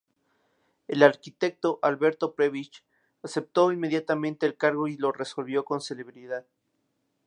El arquitecto Alberto Prebisch, aceptó inmediatamente el encargo y lo resolvió con celeridad.